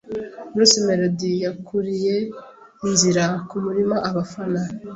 Bruce Melodie yakuriye inzira ku murima abafana